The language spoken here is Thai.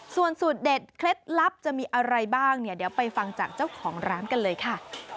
ส่วนสูตรเด็ดเคล็ดลับจะมีอะไรบ้างเนี่ยเดี๋ยวไปฟังจากเจ้าของร้านกันเลยค่ะ